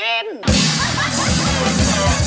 มันเป็นมุกคำว่า